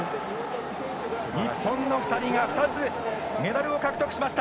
日本の２人が２つメダルを獲得しました。